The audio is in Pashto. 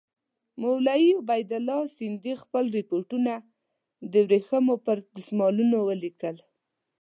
مولوي عبیدالله سندي خپل رپوټونه د ورېښمو پر دسمالونو ولیکل.